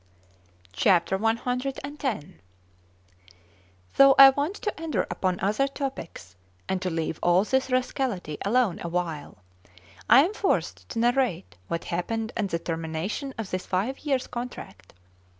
CX THOUGH I want to enter upon other topics, and to leave all this rascality alone awhile, I am forced to narrate what happened at the termination of this five years' contract.